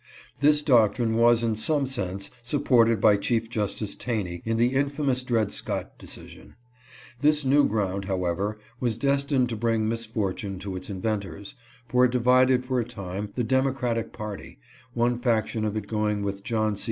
This doctrine was in some sense supported by Chief Justice Taney in the infamous Dred Scott de cision. This new ground, however, was destined to bring misfortune to its inventors, for it divided for a time the Democratic party, one faction of it going with John C.